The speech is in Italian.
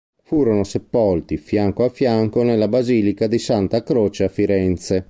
Furono sepolti fianco a fianco nella basilica di Santa Croce a Firenze.